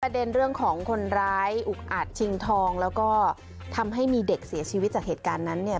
เด็นเรื่องของคนร้ายอุกอัดชิงทองแล้วก็ทำให้มีเด็กเสียชีวิตจากเหตุการณ์นั้นเนี่ย